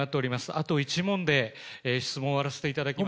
あと１問で質問を終わらせていただきます。